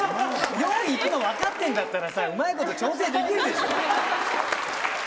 ４いくの分かってるんだったらさ、うまいこと調整できるでしょ。